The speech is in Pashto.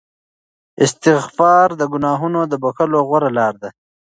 استغفار د ګناهونو د بخښلو غوره لاره ده.